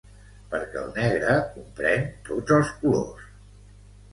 Perquè el negre comprèn tots els colors.